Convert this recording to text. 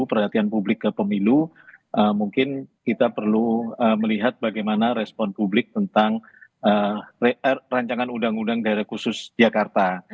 perhatian publik ke pemilu mungkin kita perlu melihat bagaimana respon publik tentang rancangan undang undang daerah khusus jakarta